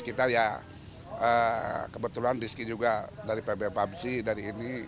kita ya kebetulan rizky juga dari pbbpbc dari ini